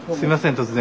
突然。